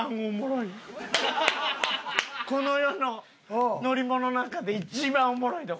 この世の乗り物の中で一番おもろいど。